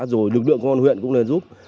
rồi lực lượng công an huyện cũng lên giúp